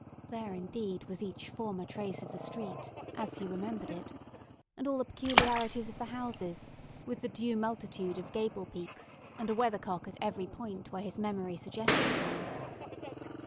There, indeed, was each former trace of the street, as he remembered it, and all the peculiarities of the houses, with the due multitude of gable peaks, and a weather cock at every point where his memory suggested one.